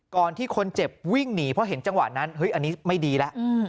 ที่คนเจ็บวิ่งหนีเพราะเห็นจังหวะนั้นเฮ้ยอันนี้ไม่ดีแล้ว